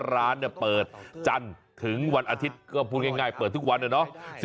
ร้านเนี่ยเปิดจันทร์ถึงวันอาทิตย์ก็พูดง่ายเปิดทุกวันนะเนาะ